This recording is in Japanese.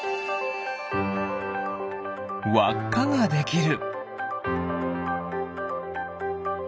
わっかができる。